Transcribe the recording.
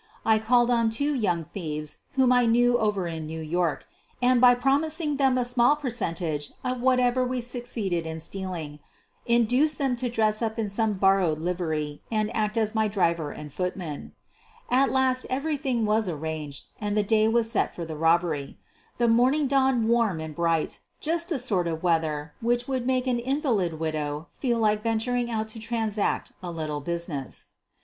I called on two young thieves whom I knew over in New York, and, by promising them a small percentage of whatever we succeeded in stealing, induced them to dress up in some borrowed livery and act as my driver and footman. At last everything was arranged and the day was set for the robbery. The morning dawned warm and bright — just the sort of weather which would make an invalid widow feel like venturing out to transact a little business.